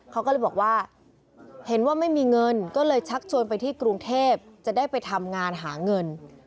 เขาก็เลยบอกว่าเห็นว่าไม่มีเงินก็เลยชักชวนไปที่กรุงเทพจะได้ไปทำงานหาเงิน